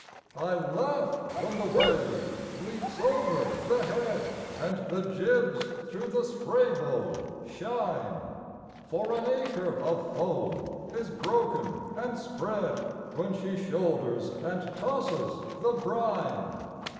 I laugh when the wave leaps over the head And the jibs thro' the spray bow shine, For an acre of foam is broken and spread When she shoulders and tosses the brine.